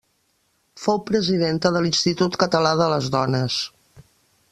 Fou presidenta de l'Institut Català de les Dones.